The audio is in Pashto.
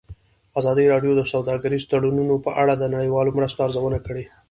ازادي راډیو د سوداګریز تړونونه په اړه د نړیوالو مرستو ارزونه کړې.